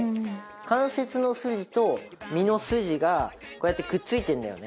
関節の筋と身の筋がこうやってくっついてるんだよね